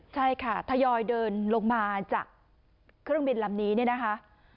ใช่ค่ะทยอยเดินลงมาจากเครื่องบินลำนี้เนี่ยนะคะ